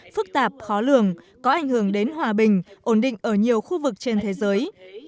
phức tạp khó lường có ảnh hưởng đến hòa bình ổn định ở nhiều khu vực trên thế giới